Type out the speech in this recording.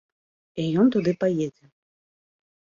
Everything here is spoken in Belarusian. І ён туды паедзе.